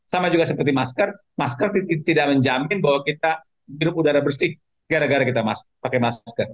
sama juga seperti masker masker tidak menjamin bahwa kita hidup udara bersih gara gara kita pakai masker